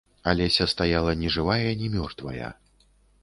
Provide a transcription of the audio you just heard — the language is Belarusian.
Алеся стаяла ні жывая ні мёртвая.